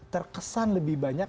terkesan lebih banyak